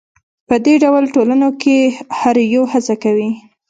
په دې ډول ټولنو کې هر یو هڅه کوي.